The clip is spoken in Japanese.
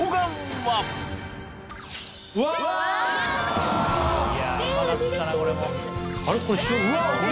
はい。